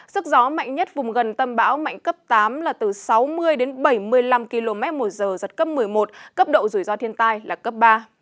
sức gió mạnh nhất vùng gần tâm áp thấp nhiệt đới mạnh cấp tám là từ sáu mươi đến bảy mươi năm km một giờ giật cấp một mươi một cấp độ rủi ro thiên tai là cấp ba